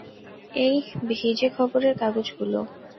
এই ভিজে খবরের কাগজগুলো?